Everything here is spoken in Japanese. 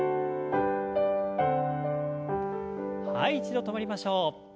はい一度止まりましょう。